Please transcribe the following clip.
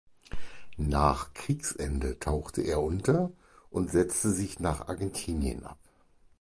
Nach Kriegsende tauchte er unter und setzte sich nach Argentinien ab.